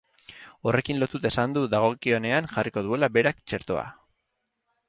Horrekin lotuta esan du dagokionean jarriko duela berak txertoa.